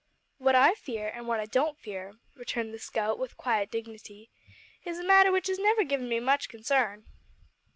"What I fear an' what I don't fear," returned the scout with quiet dignity, "is a matter which has never given me much consarn."